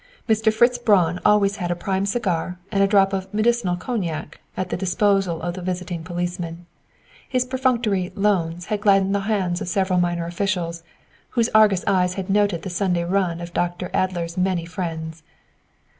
Mr. Fritz Braun always had a prime cigar and a drop of "medicinal cognac" at the disposal of the visiting policeman. His perfunctory "loans" had gladdened the hands of several minor officials, whose argus eyes had noted the Sunday run of Dr. Adler's many friends.